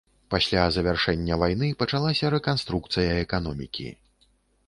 Пасля завяршэння вайны пачалася рэканструкцыя эканомікі.